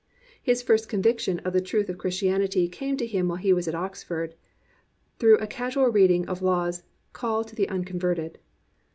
His first conviction of the truth of Christianity came to him while he was at Oxford, through a casual reading of Law's Call to the Uncon verted.